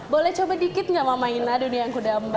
boleh coba dikit gak mama ina dunia yang kudamba